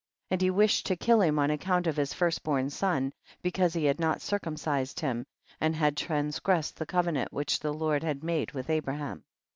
9. And he wished to kill him on account of his first born son, because he had not circumcised him, and had transgressed the covenant which the Lord had made with Abraham.